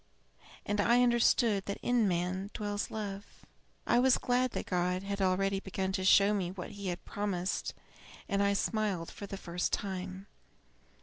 And I understood that in man dwells Love! I was glad that God had already begun to show me what He had promised, and I smiled for the first time.